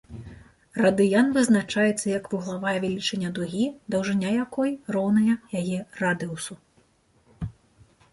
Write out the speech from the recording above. Радыян вызначаецца як вуглавая велічыня дугі, даўжыня якой роўная яе радыусу.